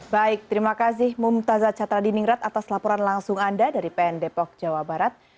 baik terima kasih mumtazah catra diningrat atas laporan langsung anda dari pn depok jawa barat